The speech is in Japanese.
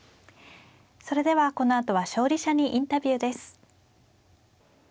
それではこのあとは勝利者にインタビューです。